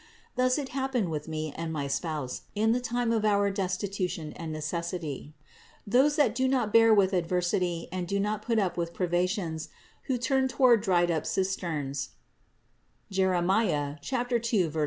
Thus it happened with me and my spouse in the time of our destitution and necessity. 640. Those that do not bear with adversity and do not put up with privations, who turn toward dried up 548 CITY OF GOD cisterns (Jer.